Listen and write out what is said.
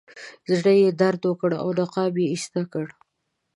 زړه یې درد وکړ او نقاب یې ایسته کړ.